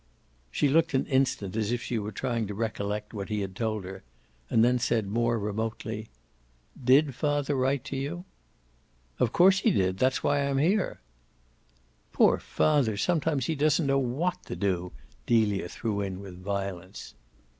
She looked an instant as if she were trying to recollect what he had told her; and then said, more remotely, "DID father write to you?" "Of course he did. That's why I'm here." "Poor father, sometimes he doesn't know WHAT to do!" Delia threw in with violence.